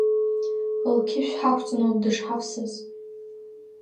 Лқьышә ҳақәҵаноуп дышҳавсыз…